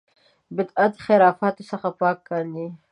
بدعت خرافاتو څخه پاک کاندي.